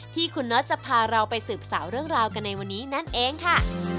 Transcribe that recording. ที่คุณน็อตจะพาเราไปสืบสาวเรื่องราวกันในวันนี้นั่นเองค่ะ